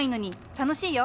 楽しいよ。